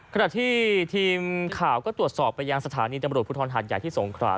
ขณะที่ทีมข่าวก็ตรวจสอบไปยังสถานีตำรวจภูทรหาดใหญ่ที่สงขรา